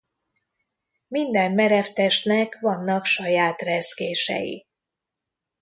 Minden merev testnek vannak saját rezgései.